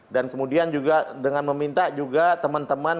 dan kemudian juga dengan meminta juga teman teman